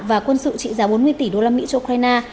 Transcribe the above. và quân sự trị giá bốn mươi tỷ usd cho ukraine